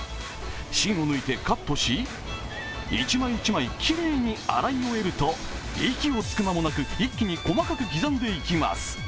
芯を抜いてカットし、１枚１枚きれいに洗い終えると息をつく間もなく、一気に細かく刻んでいきます。